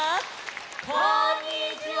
こんにちは！